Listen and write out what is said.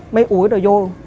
mấy ủi rồi vô